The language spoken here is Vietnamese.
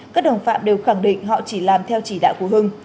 các đồng phạm đều khẳng định họ chỉ làm theo chỉ đạo của hưng